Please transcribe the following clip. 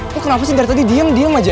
kok kenapa sih dari tadi diem diem aja